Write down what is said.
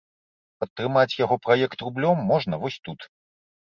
Падтрымаць яго праект рублём можна вось тут.